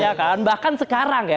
ya kan bahkan sekarang ya